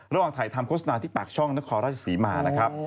ระหว่างถ่ายทำโฆษณาที่ปากช่องนครราชศรีมานะครับ